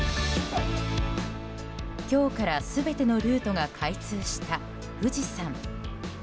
今日から全てのルートが開通した富士山。